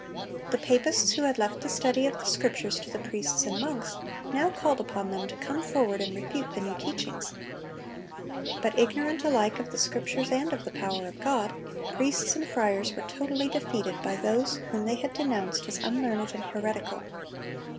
The papists who had left the study of the Scriptures to the priests and monks, now called upon them to come forward and refute the new teachings. But, ignorant alike of the Scriptures and of the power of God, priests and friars were totally defeated by those whom they had denounced as unlearned and heretical.